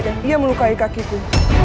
dan dia melukai kakiku